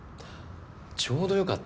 ちょうどよかった。